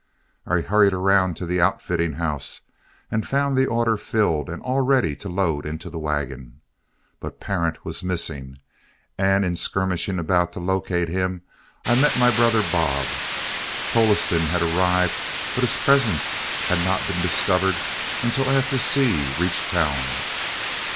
I hurried around to the outfitting house and found the order filled and all ready to load into the wagon. But Parent was missing, and in skirmishing about to locate him, I met my brother Bob. Tolleston had arrived, but his presence had not been discovered until after Seay reached town.